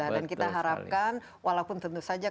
dan kita harapkan walaupun tentu saja